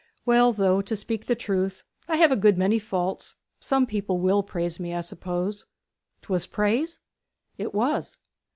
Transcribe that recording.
'Well, though, to speak the truth, I have a good many faults, some people will praise me, I suppose. 'Twas praise?' 'It was.'